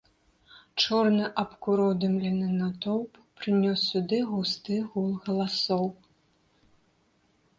Чорны абкуродымлены натоўп прынёс сюды густы гул галасоў.